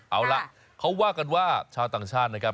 เอาล่ะเขาว่ากันว่าชาวต่างชาตินะครับ